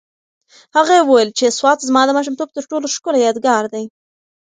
هغې وویل چې سوات زما د ماشومتوب تر ټولو ښکلی یادګار دی.